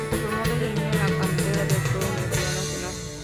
Se formó desde niño en la Cantera del Club Universidad Nacional.